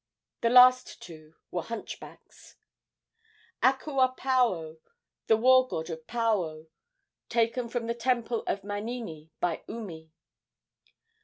[The last two were hunchbacks.] Akuapaao, the war god of Paao, taken from the temple of Manini by Umi.